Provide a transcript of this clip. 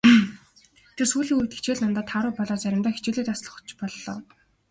Тэр сүүлийн үед хичээл номдоо тааруу болоод заримдаа хичээлээ таслах ч боллоо.